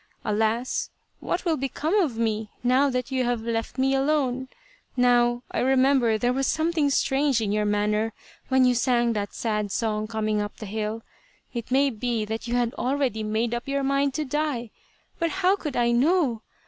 Alas ! what will become of me, now that you have left me alone F Now I remember there was something strange in your manner when you sang that sad song coming up the hill. It may be that you had already made up your mind to die. But how could I know